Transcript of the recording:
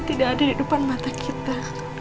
tidak ada di depan mata kita